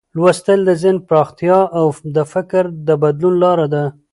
لوستل د ذهن د پراختیا او د فکر د بدلون لار ده.